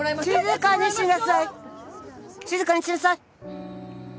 静かにしなさい！